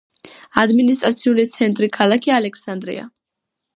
ადმინისტრაციული ცენტრი ქალაქი ალექსანდრია.